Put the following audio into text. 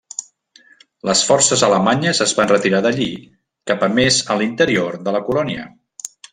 Les forces alemanyes es van retirar d'allí, cap a més a l'interior de la colònia.